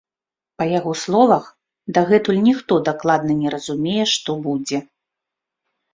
Па яго словах, дагэтуль ніхто дакладна не разумее, што будзе.